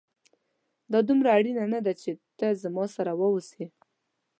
دا دومره اړينه نه ده چي ته زما سره واوسې